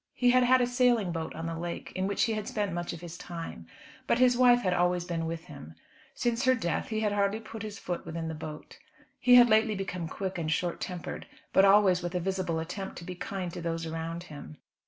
He had had a sailing boat on the lake, in which he had spent much of his time, but his wife had always been with him. Since her death he had hardly put his foot within the boat. He had lately become quick and short tempered, but always with a visible attempt to be kind to those around him.